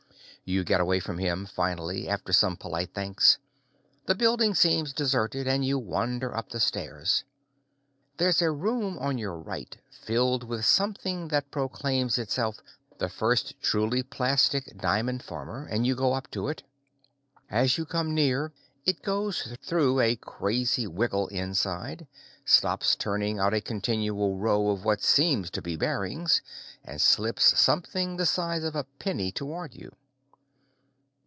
You get away from him, finally, after some polite thanks. The building seems deserted and you wander up the stairs. There's a room on your right filled with something that proclaims itself the first truly plastic diamond former, and you go up to it. As you come near, it goes through a crazy wiggle inside, stops turning out a continual row of what seem to be bearings, and slips something the size of a penny toward you.